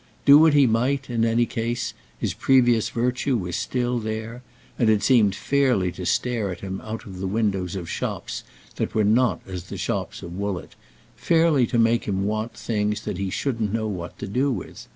Do what he might, in any case, his previous virtue was still there, and it seemed fairly to stare at him out of the windows of shops that were not as the shops of Woollett, fairly to make him want things that he shouldn't know what to do with.